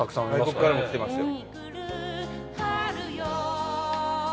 外国からも来てますよ。